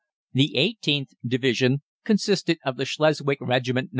The 18th Division consisted of the Schleswig Regiment No.